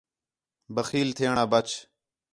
بخیل تھیݨ آ ٻَچ